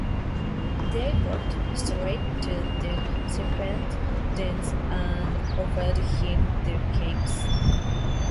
They walked straight to the serpent dens and offered him the cakes.